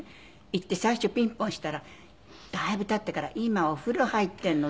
行って最初ピンポン押したらだいぶ経ってから「今お風呂入ってるの」